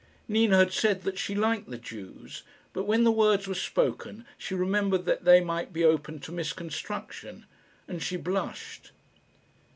Nina had said that she liked the Jews, but when the words were spoken she remembered that they might be open to misconstruction, and she blushed.